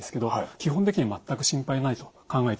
基本的には全く心配ないと考えていいと思うんですね。